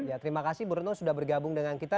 ya terima kasih bu retno sudah bergabung dengan kita